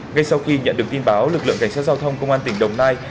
ngay sau khi nhận được tin báo lực lượng cảnh sát giao thông công an tỉnh đồng nai